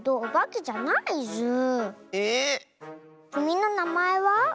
きみのなまえは？